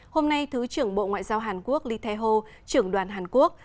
hôm nay thứ trưởng bộ ngoại giao hàn quốc lee tae ho trưởng đoàn hàn quốc